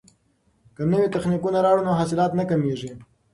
که نوي تخنیکونه راوړو نو حاصلات نه کمیږي.